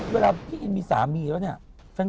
เวลาพี่อินมีสามีแล้วเนี่ย